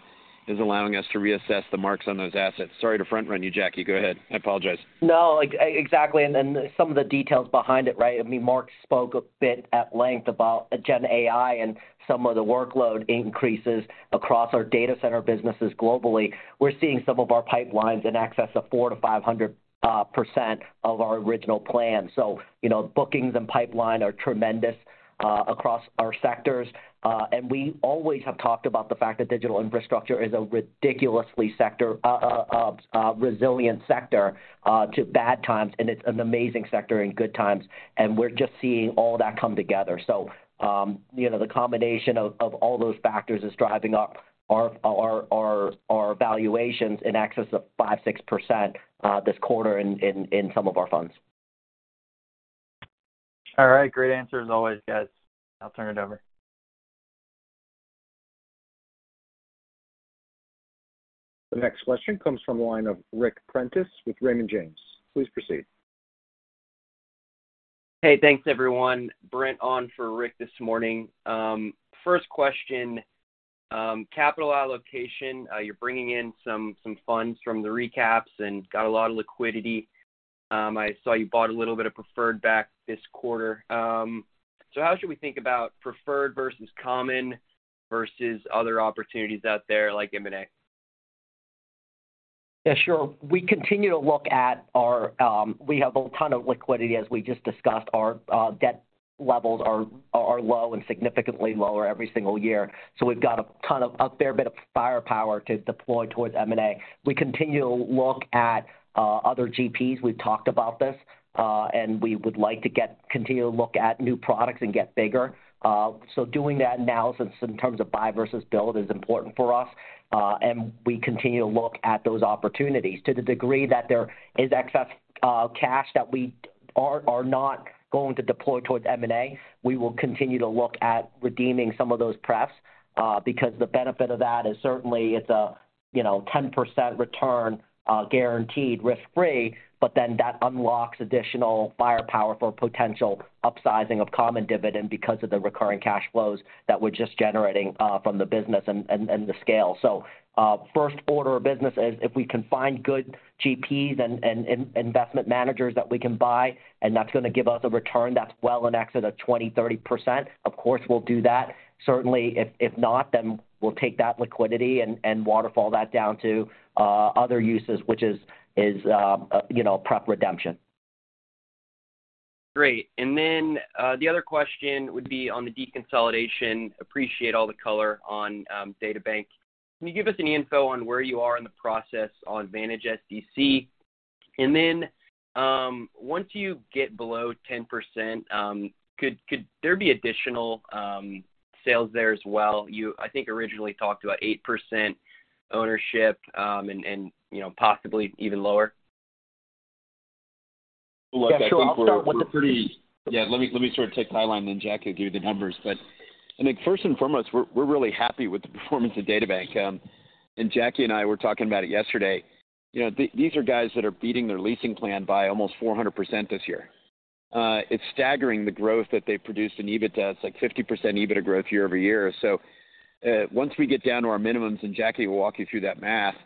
is allowing us to reassess the marks on those assets. Sorry to front-run you, Jacky. Go ahead. I apologize. No, exactly, and then some of the details behind it, right? I mean, Marc spoke a bit at length about Gen AI and some of the workload increases across our data center businesses globally. We're seeing some of our pipelines in excess of 400%-500% of our original plan. You know, bookings and pipeline are tremendous across our sectors. We always have talked about the fact that digital infrastructure is a ridiculously resilient sector to bad times, and it's an amazing sector in good times, and we're just seeing all that come together. You know, the combination of all those factors is driving up our, our, our, our valuations in excess of 5%-6% this quarter in some of our funds. All right. Great answers as always, guys. I'll turn it over. The next question comes from the line of Ric Prentiss with Raymond James. Please proceed. Hey, thanks, everyone. Brent on for Ric this morning. First question, capital allocation. You're bringing in some, some funds from the recaps and got a lot of liquidity. I saw you bought a little bit of preferred back this quarter. How should we think about preferred versus common versus other opportunities out there, like M&A? Yeah, sure. We continue to look at our, we have a ton of liquidity, as we just discussed. Our debt levels are, are low and significantly lower every single year. We've got a ton of, a fair bit of firepower to deploy towards M&A. We continue to look at other GPs. We've talked about this, we would like to continue to look at new products and get bigger. Doing that analysis in terms of buy versus build is important for us, and we continue to look at those opportunities. To the degree that there is excess cash that we are, are not going to deploy towards M&A, we will continue to look at redeeming some of those prefs, because the benefit of that is certainly it's a, you know, 10% return, guaranteed, risk-free, but then that unlocks additional firepower for potential upsizing of common dividend because of the recurring cash flows that we're just generating from the business and, and, and the scale. First order of business is if we can find good GPs and investment managers that we can buy, and that's gonna give us a return that's well in excess of 20%, 30%, of course, we'll do that. Certainly, if, if not, then we'll take that liquidity and, and waterfall that down to other uses, which is, is, you know, pref redemption. Great. The other question would be on the deconsolidation. Appreciate all the color on DataBank. Can you give us any info on where you are in the process on Vantage SDC? Once you get below 10%, could, could there be additional sales there as well? You, I think, originally talked about 8% ownership, and, and, you know, possibly even lower. Look, I think. Yeah, sure. I'll start with.... we're, Yeah, let me, let me sort of take the high line, then Jacky will give you the numbers. I think first and foremost, we're, we're really happy with the performance of DataBank. Jacky and I were talking about it yesterday. You know, these are guys that are beating their leasing plan by almost 400% this year. It's staggering, the growth that they've produced in EBITDA. It's like 50% EBITDA growth year-over-year. Once we get down to our minimums, and Jacky will walk you through that math,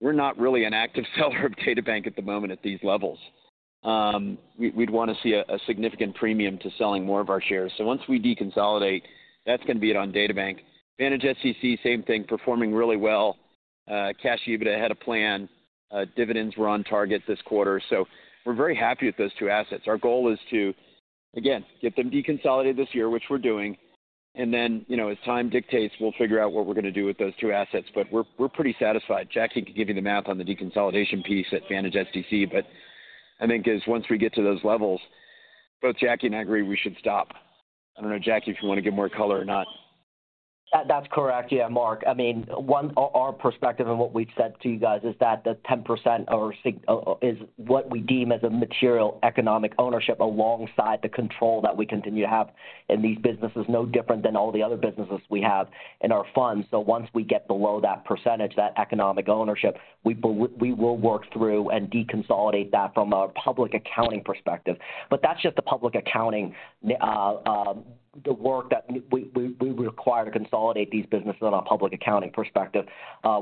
we're not really an active seller of DataBank at the moment at these levels. We, we'd want to see a, a significant premium to selling more of our shares. Once we deconsolidate, that's going to be it on DataBank. Vantage SDC, same thing, performing really well. Cash EBITDA had a plan. Dividends were on target this quarter, so we're very happy with those 2 assets. Our goal is to, again, get them deconsolidated this year, which we're doing, and then, you know, as time dictates, we'll figure out what we're going to do with those 2 assets. We're, we're pretty satisfied. Jacky can give you the math on the deconsolidation piece at Vantage SDC, but I think as once we get to those levels, both Jacky and I agree we should stop. I don't know, Jacky, if you want to give more color or not. That's correct. Yeah, Marc. I mean, our perspective and what we've said to you guys is that the 10% is what we deem as a material economic ownership alongside the control that we continue to have in these businesses, no different than all the other businesses we have in our funds. Once we get below that percentage, that economic ownership, we will work through and deconsolidate that from a public accounting perspective. That's just the public accounting the work that we require to consolidate these businesses on a public accounting perspective.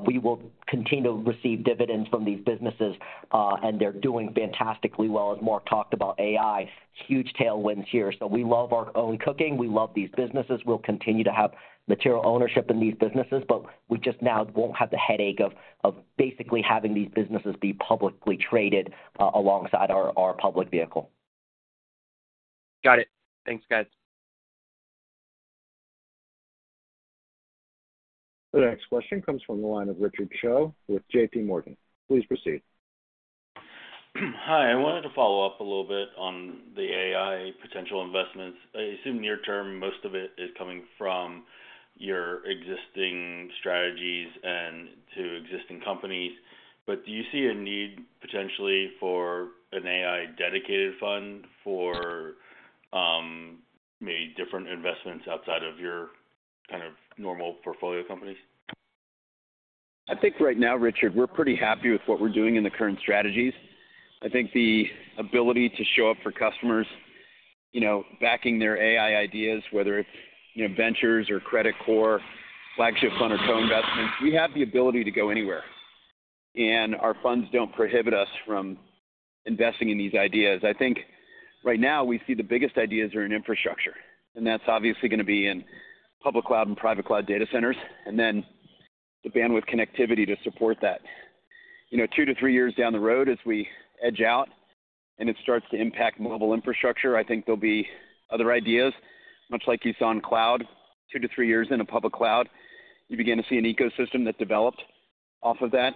We will continue to receive dividends from these businesses, and they're doing fantastically well. As Marc talked about AI, huge tailwinds here. We love our own cooking, we love these businesses. We'll continue to have material ownership in these businesses, but we just now won't have the headache of, of basically having these businesses be publicly traded, alongside our, our public vehicle. Got it. Thanks, guys. The next question comes from the line of Richard Choe with J.P. Morgan. Please proceed. Hi, I wanted to follow up a little bit on the AI potential investments. I assume near term, most of it is coming from your existing strategies and to existing companies. Do you see a need, potentially, for an AI dedicated fund for maybe different investments outside of your kind of normal portfolio companies? I think right now, Richard, we're pretty happy with what we're doing in the current strategies. I think the ability to show up for customers, you know, backing their AI ideas, whether it's, you know, ventures or credit core, flagship fund or co-investments, we have the ability to go anywhere, and our funds don't prohibit us from investing in these ideas. I think right now we see the biggest ideas are in infrastructure, and that's obviously going to be in public cloud and private cloud data centers, and then the bandwidth connectivity to support that. You know, two to three years down the road, as we edge out and it starts to impact mobile infrastructure, I think there'll be other ideas, much like you saw in cloud. two to three years in a public cloud, you begin to see an ecosystem that developed off of that.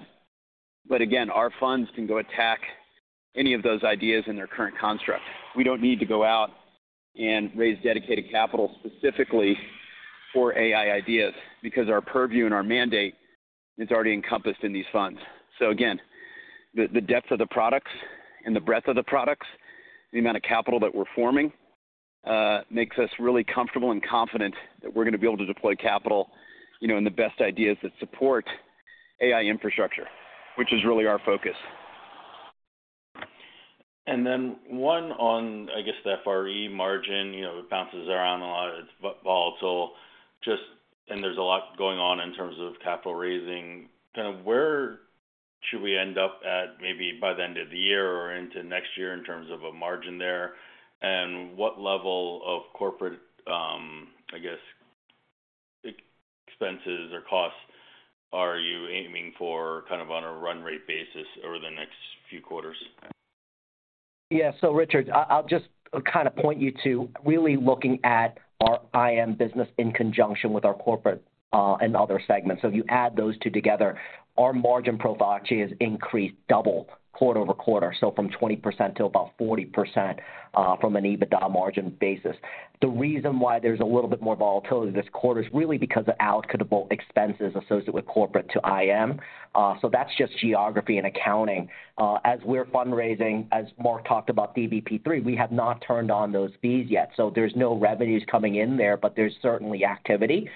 Again, our funds can go attack any of those ideas in their current construct. We don't need to go out and raise dedicated capital specifically for AI ideas, because our purview and our mandate is already encompassed in these funds. Again, the, the depth of the products and the breadth of the products, the amount of capital that we're forming, makes us really comfortable and confident that we're going to be able to deploy capital, you know, in the best ideas that support AI infrastructure, which is really our focus. One on, I guess, the FRE margin. You know, it bounces around a lot, it's volatile. There's a lot going on in terms of capital raising. Kind of where should we end up at, maybe by the end of the year or into next year, in terms of a margin there? What level of corporate, I guess, ex-expenses or costs are you aiming for, kind of on a run rate basis over the next few quarters? Richard, I, I'll just kind of point you to really looking at our IM business in conjunction with our corporate and other segments. If you add those two together, our margin profile actually has increased double quarter-over-quarter, so from 20% to about 40% from an EBITDA margin basis. The reason why there's a little bit more volatility this quarter is really because of allocable expenses associated with corporate to IM. That's just geography and accounting. As we're fundraising, as Marc talked about DBP III, we have not turned on those fees yet, so there's no revenues coming in there, but there's certainly activity,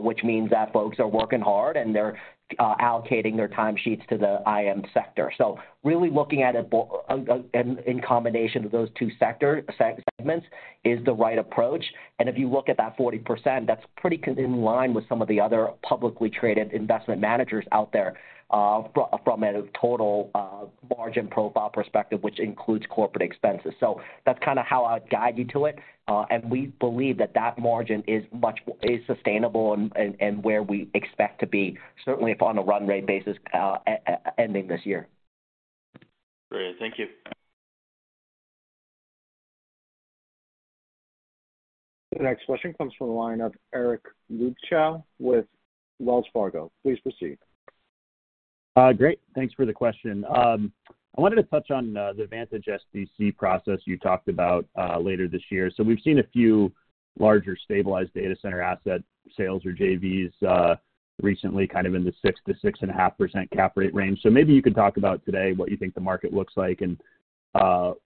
which means that folks are working hard and they're allocating their timesheets to the IM sector. Really looking at it in combination with those two sector segments, is the right approach. If you look at that 40%, that's pretty in line with some of the other publicly traded investment managers out there, from a total margin profile perspective, which includes corporate expenses. That's kind of how I'd guide you to it. And we believe that that margin is sustainable and where we expect to be, certainly if on a run rate basis, ending this year. Great. Thank you. The next question comes from the line of Eric Luebchow with Wells Fargo. Please proceed. Great. Thanks for the question. I wanted to touch on the Vantage SDC process you talked about later this year. We've seen a few larger stabilized data center asset sales or JVs recently, kind of in the 6% to 6.5% cap rate range. Maybe you could talk about today what you think the market looks like, and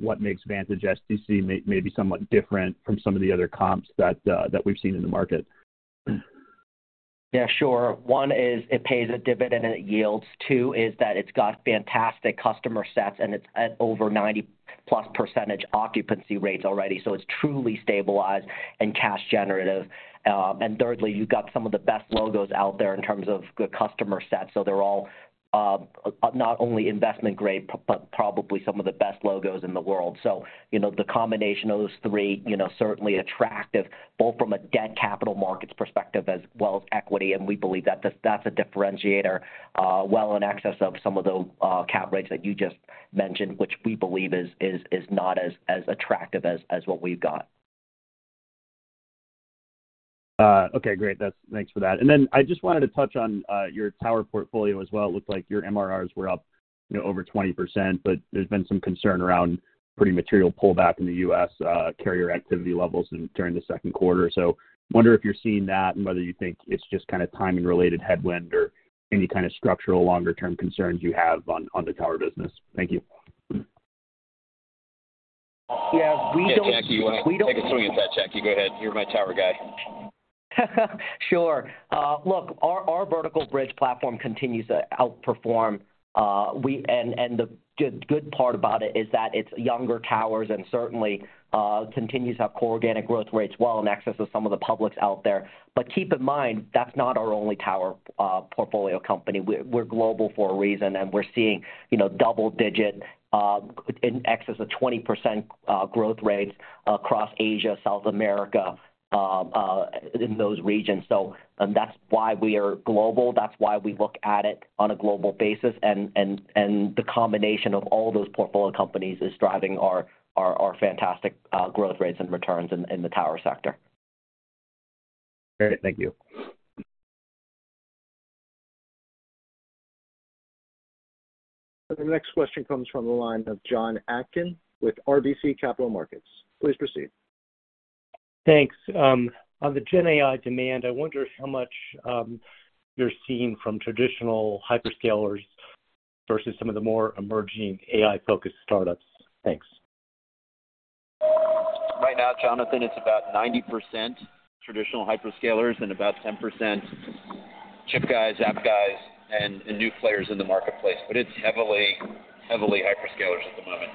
what makes Vantage SDC maybe somewhat different from some of the other comps that we've seen in the market? Yeah, sure. One is it pays a dividend and it yields. Two, is that it's got fantastic customer sets, and it's at over 90%+ occupancy rates already, so it's truly stabilized and cash generative. Thirdly, you've got some of the best logos out there in terms of good customer sets, so they're all, not only investment grade, but probably some of the best logos in the world. You know, the combination of those three, you know, certainly attractive, both from a debt capital markets perspective as well as equity. We believe that, that's a differentiator, well, in excess of some of the, cap rates that you just mentioned, which we believe is, is, is not as, as attractive as, as what we've got. Okay, great. Thanks for that. Then I just wanted to touch on your tower portfolio as well. It looked like your MMRs were up, you know, over 20%, but there's been some concern around pretty material pullback in the U.S. carrier activity levels during the second quarter. I wonder if you're seeing that and whether you think it's just kind of timing-related headwind or any kind of structural longer-term concerns you have on the tower business. Thank you. Yeah, we don't. Yeah, Jacky, you want to take a swing at that, Jacky? Go ahead. You're my tower guy. Sure. Look, our, our Vertical Bridge platform continues to outperform. The good, good part about it is that it's younger towers and certainly continues to have core organic growth rates well in excess of some of the publics out there. Keep in mind, that's not our only tower portfolio company. We're, we're global for a reason, and we're seeing, you know, double digit, in excess of 20% growth rates across Asia, South America, in those regions. That's why we are global. That's why we look at it on a global basis. The combination of all those portfolio companies is driving our, our, our fantastic growth rates and returns in, in the tower sector. Great. Thank you. The next question comes from the line of Jon Atkin with RBC Capital Markets. Please proceed. Thanks. On the Gen AI demand, I wonder how much you're seeing from traditional hyperscalers versus some of the more emerging AI-focused startups. Thanks. Right now, Jonathan, it's about 90% traditional hyperscalers and about 10% chip guys, app guys, and, and new players in the marketplace, but it's heavily, heavily hyperscalers at the moment,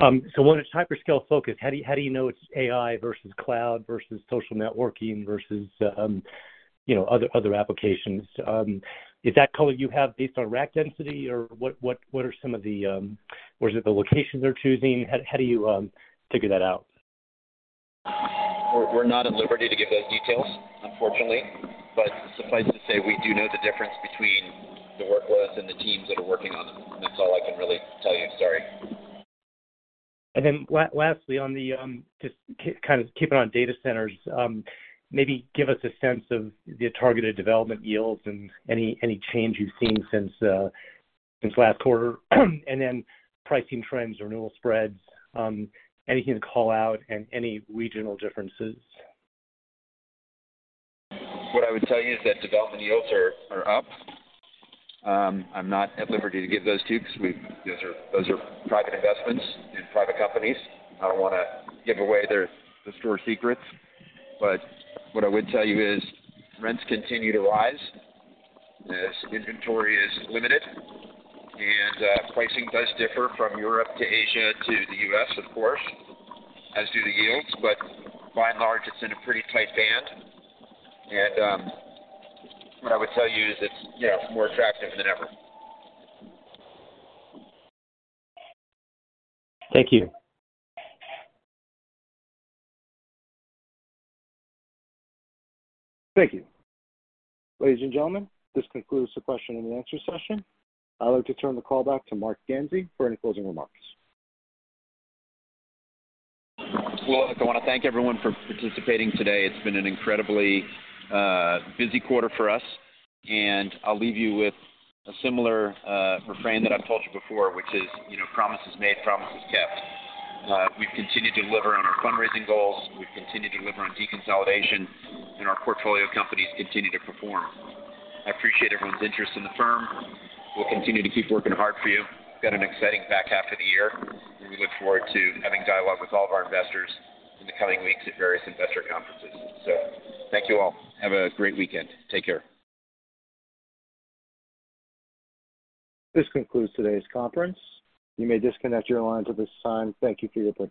Jonathan. When it's hyperscale focused, how do, how do you know it's AI versus cloud versus social networking versus, you know, other, other applications? Is that color you have based on rack density, or what, what, what are some of the... or is it the locations they're choosing? How, how do you figure that out? We're not at liberty to give those details, unfortunately, but suffice to say, we do know the difference between the workloads and the teams that are working on them. That's all I can really tell you. Sorry. Lastly, on the, just kind of keeping on data centers, maybe give us a sense of the targeted development yields and any, any change you've seen since, since last quarter. Pricing trends, renewal spreads, anything to call out and any regional differences. What I would tell you is that development yields are, are up. I'm not at liberty to give those to you, because those are, those are private investments in private companies. I don't want to give away their, the store secrets, but what I would tell you is rents continue to rise, as inventory is limited, and pricing does differ from Europe to Asia to the U.S., of course, as do the yields, but by and large, it's in a pretty tight band. What I would tell you is it's, yeah, more attractive than ever. Thank you. Thank you. Ladies and gentlemen, this concludes the question and answer session. I'd like to turn the call back to Marc Ganzi for any closing remarks. Well, look, I want to thank everyone for participating today. It's been an incredibly busy quarter for us, and I'll leave you with a similar refrain that I've told you before, which is, you know, promises made, promises kept. We've continued to deliver on our fundraising goals, we've continued to deliver on deconsolidation, and our portfolio companies continue to perform. I appreciate everyone's interest in the firm. We'll continue to keep working hard for you. We've got an exciting back half of the year. We look forward to having dialogue with all of our investors in the coming weeks at various investor conferences. Thank you all. Have a great weekend. Take care. This concludes today's conference. You may disconnect your line to this time. Thank you for your participation.